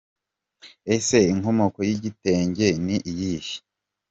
Ese inkomoko y’igitenge ni iyihe ?.